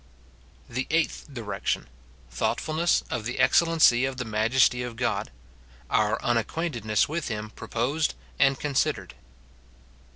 The EIGHTH direction : Thoughtfulness of the excellency of the majesty of God — Our uuaoqualntedness with him proposed and considered.